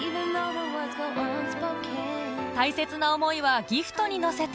大切な思いはギフトに乗せて